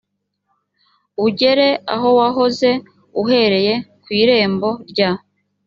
ugere aho wahoze uhereye ku irembo rya